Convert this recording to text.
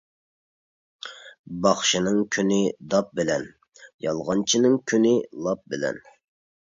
باخشىنىڭ كۈنى داپ بىلەن، يالغانچىنىڭ كۈنى لاپ بىلەن.